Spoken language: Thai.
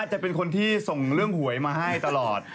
จะเป็นคนที่ส่งเรื่องหวยมาให้ตลอด